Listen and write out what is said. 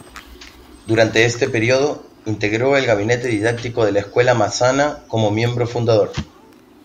Durante este período, integró el gabinete didáctico de la Escuela Massana como miembro fundador.